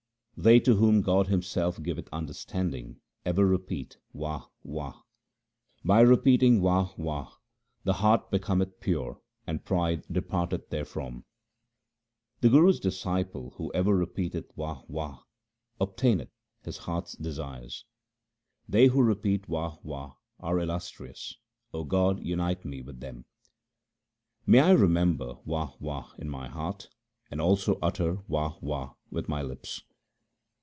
They to whom God Himself giveth understanding ever repeat Wah ! Wah ! By repeating Wah ! Wah ! the heart becometh pure and pride departeth therefrom. The Guru's disciple who ever repeateth Wah ! Wah ! obtaineth his heart's desires. HYMNS OF GURU AMAR DAS 209 They who repeat Wah ! Wah ! are illustrious ; O God, unite me with them. May I remember Wah ! Wah ! in my heart and also utter Wah ! Wah ! with my lips